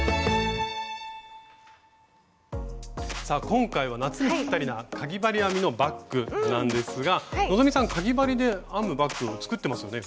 今回は夏にぴったりなかぎ針編みのバッグなんですが希さんかぎ針で編むバッグ作ってますよね。